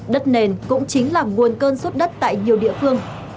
đất nền cũng chính là nguồn cơn suốt đất tại nhiều địa phương